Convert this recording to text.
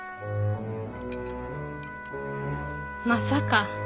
まさか。